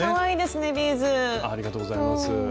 ありがとうございます。